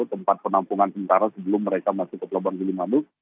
tempat penampungan sementara sebelum mereka masuk ke pelabuhan gili manuk